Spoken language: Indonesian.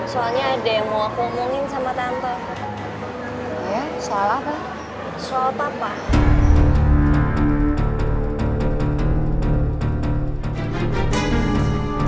soalnya ada yang mau aku omongin sama tante